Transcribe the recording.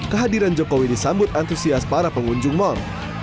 kehadiran jokowi disambut antusias para pengunjung mal